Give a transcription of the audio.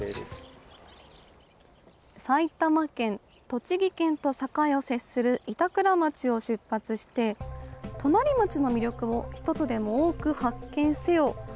「埼玉県、栃木県と境を接する板倉町を出発してとなりまちの魅力をひとつでも多く発見せよ！」。